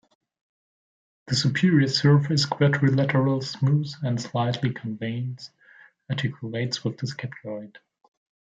The "superior surface", quadrilateral, smooth, and slightly concave, articulates with the scaphoid.